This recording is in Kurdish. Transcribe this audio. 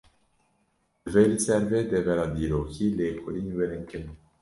Divê li ser vê devera dîrokî, lêkolîn werin kirin